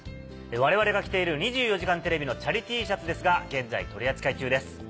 我々が着ている『２４時間テレビ』のチャリＴシャツですが現在取扱中です。